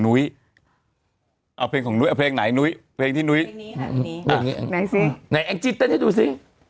นุ้ยเอาเพลงของนุ้ยเอาเพลงไหนนุ้ยเพลงที่นุ้ยแองจิเต้นให้ดูสิ